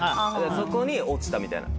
そこに落ちたみたいな。